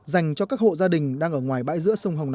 dành cho các hộ gia đình đang ở ngoài bãi giữa sông hồng